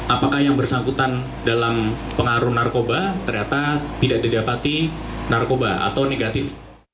apakah yang bersangkutan dalam pengaruh narkoba ternyata tidak didapati narkoba atau negatif